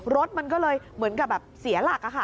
รถมันก็เลยเหมือนกับแบบเสียหลัก